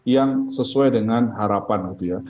yang sesuai dengan harapan gitu ya